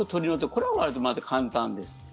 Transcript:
これはわりと、まだ簡単です。